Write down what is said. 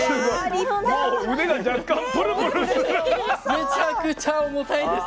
めちゃくちゃ重たいんです。